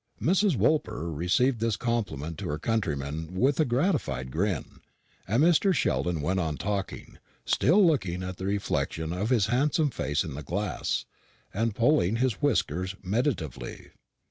Mrs. Woolper received this compliment to her countrymen with a gratified grin, and Mr. Sheldon went on talking, still looking at the reflection of his handsome face in the glass, and pulling his whiskers meditatively.